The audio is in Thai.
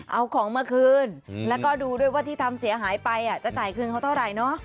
เอาของมาคืนแล้วก็ดูด้วยว่าที่ทำเสียหายไปจะจ่ายคืนเขาเท่าไหร่เนอะ